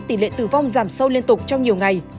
tỷ lệ tử vong giảm sâu liên tục trong nhiều ngày